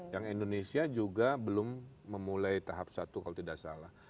yang indonesia juga belum memulai tahap satu kalau tidak salah